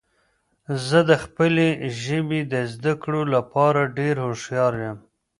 زه د خپلې ژبې د زده کړو لپاره ډیر هوښیار یم.